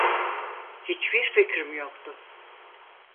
Hiç bir fikrim yoktu.